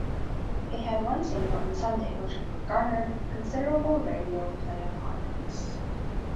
It had one single in "Sunday" which garnered considerable radio play upon release.